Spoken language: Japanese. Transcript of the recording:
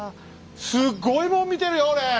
すごいもん見てるよ俺！